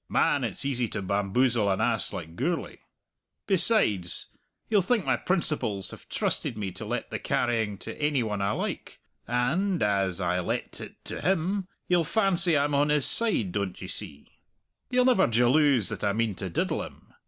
Man, it's easy to bamboozle an ass like Gourlay! Besides, he'll think my principals have trusted me to let the carrying to ainy one I like, and, as I let it to him, he'll fancy I'm on his side, doan't ye see? He'll never jalouse that I mean to diddle him.